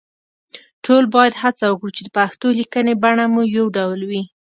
ټول باید هڅه وکړو چې د پښتو لیکنې بڼه مو يو ډول وي